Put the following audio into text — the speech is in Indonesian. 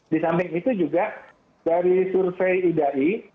di samping itu juga dari survei idai